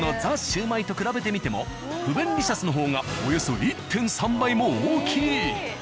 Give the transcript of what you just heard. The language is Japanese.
シュウマイと比べてみても不便利シャスの方がおよそ１．３倍も大きい！